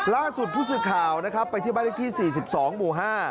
ล่าสุดผู้สื่อข่าวนะครับไปที่บ้านเลขที่๔๒หมู่๕